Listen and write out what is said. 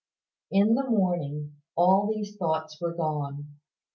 In the morning all these thoughts were gone.